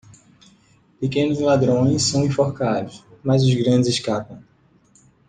Pequenos ladrões são enforcados, mas os grandes escapam.